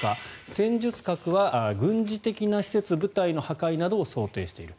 戦術核は軍事的な施設・部隊の破壊などを想定している。